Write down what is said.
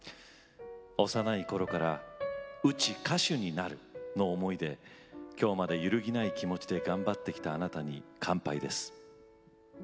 幼いころから歌手になるという思いで今日まで揺るぎない気持ちで頑張ってきたあなたに乾杯です。